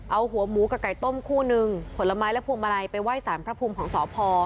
เอาหัวหมูกับไก่ต้มคู่นึงผลไม้และพวงมาลัยไปไหว้สารพระภูมิของสพ